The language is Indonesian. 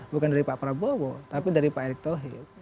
bukan dari pak prabowo tapi dari pak erick thohir